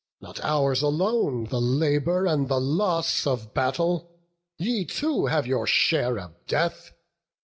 Not ours alone the labour and the loss Of battle; ye too have your share of death.